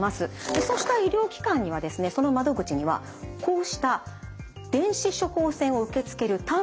そうした医療機関にはですねその窓口にはこうした電子処方箋を受け付ける端末が置かれているんです。